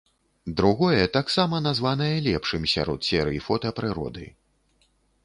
Другое таксама названае лепшым сярод серый фота прыроды.